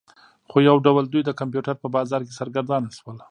خو یو ډول دوی د کمپیوټر په بازار کې سرګردانه شول